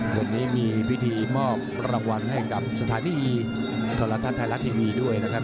วันนี้มีพิธีมอบรางวัลให้กับสถานีโทรทัศน์ไทยรัฐทีวีด้วยนะครับ